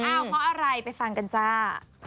เพราะอะไรไปฟังกันจ้า